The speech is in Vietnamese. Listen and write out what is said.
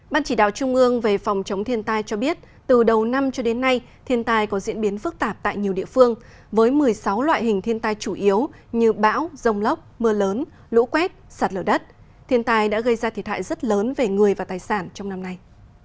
ban chỉ đạo trung ương về phòng chống thiên tai cho biết từ đầu năm cho đến nay thiên tai có diễn biến phức tạp tại nhiều địa phương với một mươi sáu loại hình thiên tai chủ yếu như bão rông lốc mưa lớn lũ quét sạt lở đất thiên tai đã gây ra thiệt hại rất lớn về người và tài sản trong năm nay